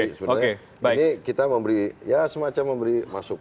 sebenarnya ini kita memberi ya semacam memberi masukan